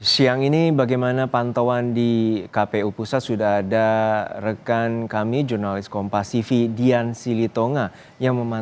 sebanyak enam enam juta